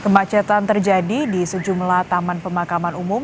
kemacetan terjadi di sejumlah taman pemakaman umum